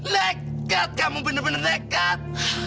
lekat kamu benar benar lekat